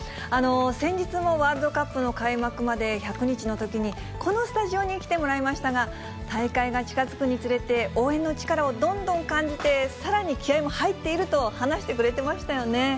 先日のワールドカップの開幕まで１００日のときに、このスタジオに来てもらいましたが、大会が近づくにつれて、応援の力をどんどん感じて、さらに気合いも入っていると話してくれてましたよね。